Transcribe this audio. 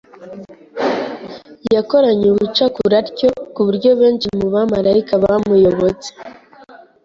yakoranye ubucakura atyo ku buryo benshi mu bamarayika bamuyobotse